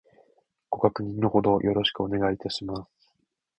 ご確認の程よろしくお願いいたします